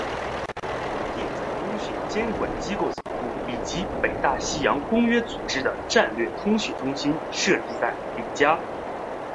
欧盟欧洲电子通讯监管机构总部以及北大西洋公约组织的战略通讯中心设在里加。